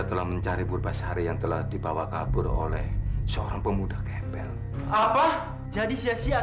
sampai jumpa di video selanjutnya